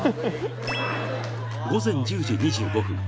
午前１０時２５分